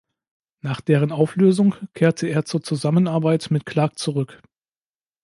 Nach deren Auflösung kehrte er zur Zusammenarbeit mit Clark zurück.